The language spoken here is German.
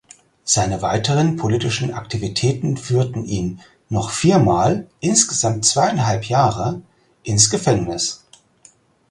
Seine weiteren politischen Aktivitäten führten ihn noch vier Mal (insgesamt zweieinhalb Jahre) ins Gefängnis.